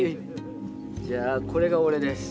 じゃあ、これが俺です。